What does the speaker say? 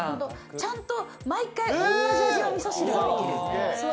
ちゃんと毎回同じ味のみそ汁ができる。